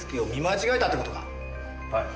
はい。